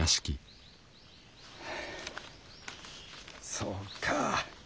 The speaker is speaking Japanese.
そうか！